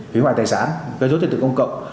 hủy hoại tài sản gây rốt tiền tượng công cộng